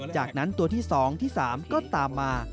จากนั้นตัวที่๒ที่๓ก็ตามมา